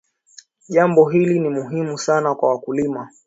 jambo hili ni muhimu sana kwa wakulima